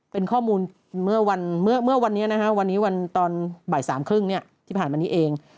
เป็นข้อมูลเมื่อวันนี้นะฮะวันนี้วันตอนบ่าย๓๓๐ที่ผ่านมานี้เอง